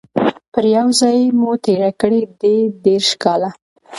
پر یوه ځای مو تیر کړي دي دیرش کاله